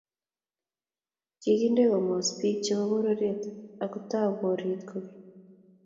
kikindene komos biik chebo boryet akutou boriet kukeny.